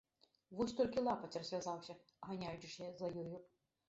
Вось толькі лапаць развязаўся, ганяючыся за ёю.